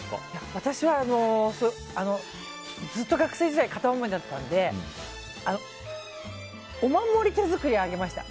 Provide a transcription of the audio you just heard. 私は、ずっと学生時代片思いだったのでお守り手作りあげました。